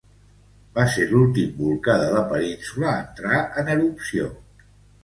Va ser l'últim volcà de la península a entrar en erupció.